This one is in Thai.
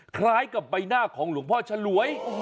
คล้ายกับใบหน้าของหลวงพ่อฉลวย